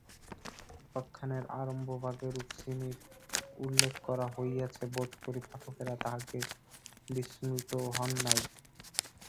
উপাখ্যানের আরম্ভভাগে রুক্মিণীর উল্লেখ করা হইয়াছে, বােধ করি পাঠকেরা তাহাকে বিস্মৃত হন নাই।